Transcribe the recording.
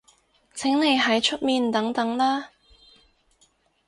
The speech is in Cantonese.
請你喺出面等等啦